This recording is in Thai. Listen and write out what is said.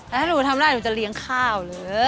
แต่ถ้าหนูทำได้หนูจะเลี้ยงข้าวเลย